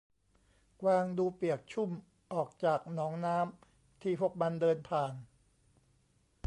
กวางดูเปียกชุ่มออกจากหนองน้ำที่พวกมันเดินผ่าน